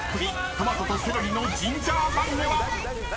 トマトとセロリのジンジャーマリネは⁉］